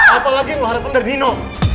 apa lagi lu harapkan dari nino